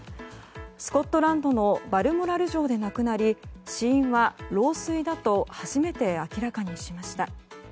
スコットランドのバルモラル城で亡くなり死因は老衰だと初めて明らかにしました。